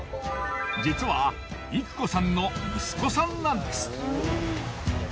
実はいく子さんの息子さんなんです。